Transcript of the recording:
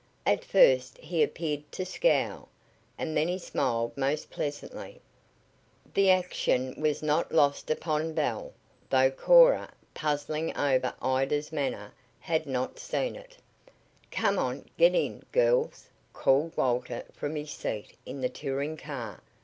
At first he appeared to scowl, and then he smiled most pleasantly. The action was not lost upon Belle, though Cora, puzzling over Ida's manner, had not seen it. "Come on, get in, girls," called Walter from his seat in the touring car.